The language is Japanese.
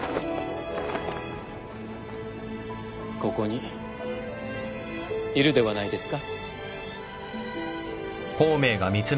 ここにいるではないですか。